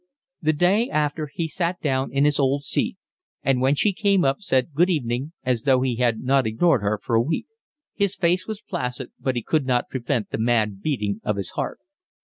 The day after he sat down in his old seat, and when she came up said good evening as though he had not ignored her for a week. His face was placid, but he could not prevent the mad beating of his heart.